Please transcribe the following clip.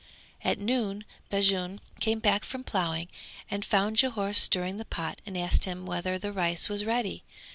At noon Bajun came back from ploughing and found Jhore stirring the pot and asked him whether the rice was ready.